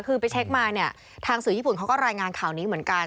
คือไปเช็คมาเนี่ยทางสื่อญี่ปุ่นเขาก็รายงานข่าวนี้เหมือนกัน